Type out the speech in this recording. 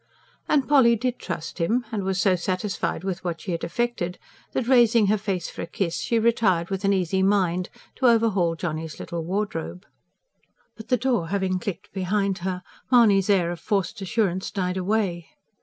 And Polly did trust him, and was so satisfied with what she had effected that, raising her face for a kiss, she retired with an easy mind to overhaul Johnny's little wardrobe. But the door having clicked behind her, Mahony's air of forced assurance died away.